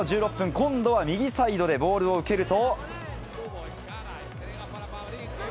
今度は右サイドでボールを受けると。